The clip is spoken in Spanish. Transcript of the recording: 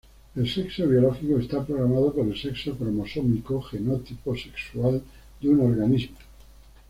El sexo biológico está programado por el sexo cromosómico —genotipo sexual— de un organismo.